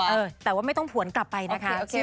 เออแต่ว่าไม่ต้องผวนกลับไปนะคะ